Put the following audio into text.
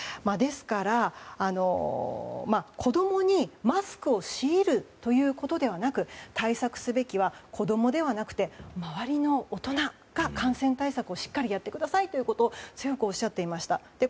ですから、子供にマスクを強いるということではなく対策すべきは子供ではなくて周りの大人が感染対策をしっかりやってくださいということを強くおっしゃっていました。